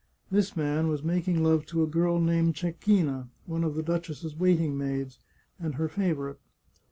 This man was making love to a girl named Cec china, one of the duchess's waiting maids, and her favourite.